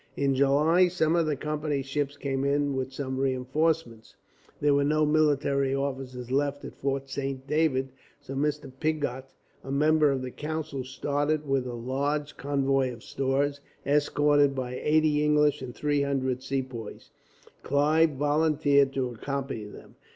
In July, some of the Company's ships came in with some reinforcements. There were no military officers left at Fort Saint David, so Mr. Pigot, a member of the council, started with a large convoy of stores, escorted by eighty English and three hundred Sepoys. Clive volunteered to accompany them.